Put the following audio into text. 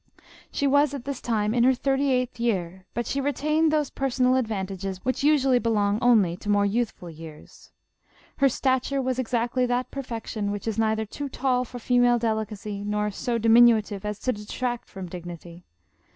" She was at this time in her thirty eighth year, but she retained those personal advantages which usually belong only to more youthful years. Her stature was ex actly that perfection which is neither too tall for female delicacy, nor so diminutive as to detract from dignity.